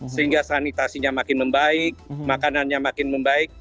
sehingga sanitasinya makin membaik makanannya makin membaik